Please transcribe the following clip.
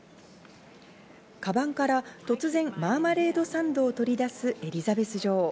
かばんから突然マーマレードサンドを取り出すエリザベス女王。